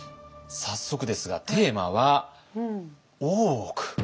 早速ですがテーマは「大奥」。